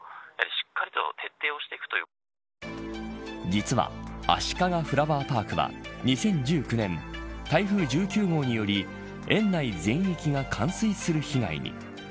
実はあしかがフラワーパークは２０１９年台風１９号により、園内全域が冠水する被害に。